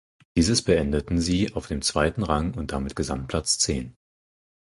Dieses beendeten sie auf dem zweiten Rang und damit Gesamtplatz zehn.